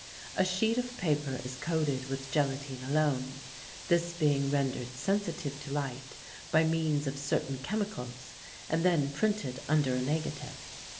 A sheet of paper is coated with gelatine alone, this being rendered sensitive to light by means of certain chemicals and then printed under a negative.